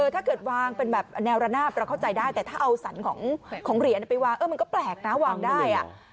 ถ้าเกิดวางเป็นแบบแนวระนาบเราเข้าใจได้แต่ถ้าเอาสรรของเหรียญไปวางมันก็แปลกนะวางได้